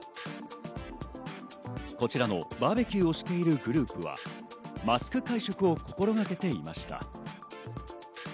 こちらのバーベキューをしているグループはマスク会食を心がけていました。